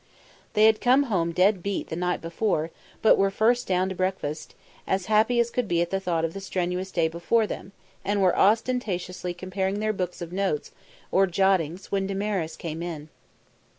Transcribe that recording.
They had come home dead beat the night before, but were first down to breakfast, as happy as could be at the thought of the strenuous day before them, and were ostentatiously comparing their books of notes or jottings when Damaris came in.